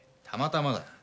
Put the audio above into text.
たまたまだ。